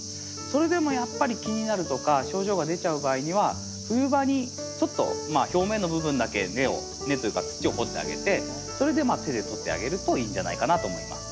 それでもやっぱり気になるとか症状が出ちゃう場合には冬場にちょっと表面の部分だけ根を根というか土を掘ってあげてそれで手で取ってあげるといいんじゃないかなと思います。